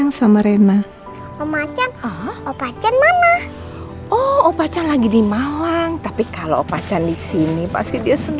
kasian si balon biru kalo kamu sedih terus